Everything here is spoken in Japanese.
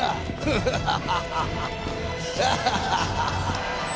アハハハハ。